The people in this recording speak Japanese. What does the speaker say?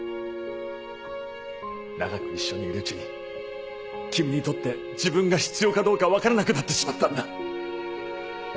長く一緒にいるうちに君にとって自分が必要かどうかわからなくなってしまったんだ。